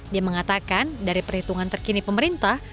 dia mengatakan dari perhitungan terkini pemerintah